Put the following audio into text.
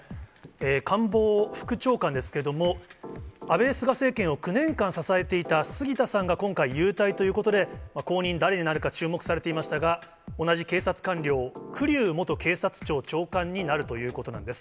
官房副長官ですけれども、安倍・菅政権を９年間支えていた杉田さんが今回、勇退ということで、後任、誰になるか注目されていましたが、同じ警察官僚、栗生元警察庁長官になるということなんです。